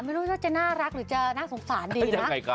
ไม่รู้ว่าจะน่ารักหรือจะน่าสงสารดีนะ